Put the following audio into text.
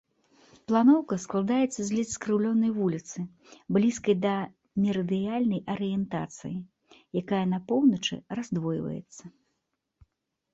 Планоўка складаецца з ледзь скрыўленай вуліцы, блізкай да мерыдыянальнай арыентацыі, якая на поўначы раздвойваецца.